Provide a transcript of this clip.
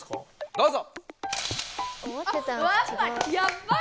どうぞ！